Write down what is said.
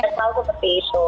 gak selalu seperti itu